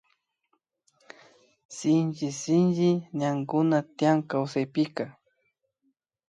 Shinchi sinchi ñankuna tiyan kawsaypika